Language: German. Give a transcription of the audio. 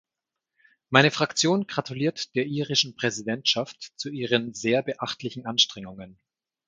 Meine Fraktion gratuliert der irischen Präsidentschaft zu ihren sehr beachtlichen Anstrengungen.